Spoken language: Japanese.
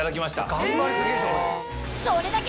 頑張り過ぎでしょ。